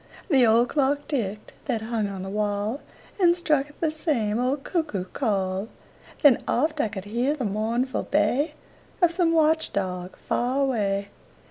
The old clock ticked that hung on the wall And struck 'th the same old cuckoo call; Then oft I could hear the mournful bay Of some watch dog far away.